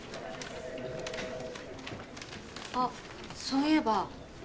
あそういえば。